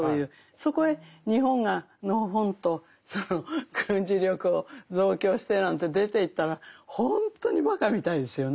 そこへ日本がのほほんと軍事力を増強してなんて出ていったらほんとにばかみたいですよね。